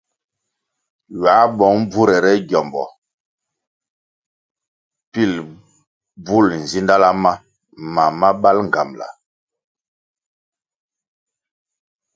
Ywā bong bvurere gyombo pil bvul nzidala ma mam ma bal ngambʼla.